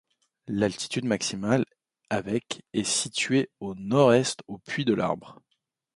L'altitude maximale avec est située au nord-est, au puy de l'Arbre.